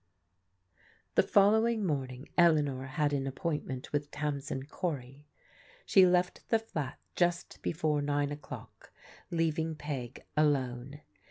The following morning Eleanor had an appointment with Tamsin Corj , She left the flat just before nine o'clock, leaving P^ alone.